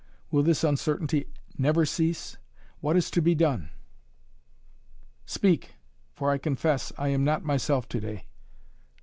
Will this uncertainty never cease? What is to be done? Speak! For I confess, I am not myself today."